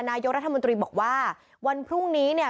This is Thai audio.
นายกรัฐมนตรีบอกว่าวันพรุ่งนี้เนี่ย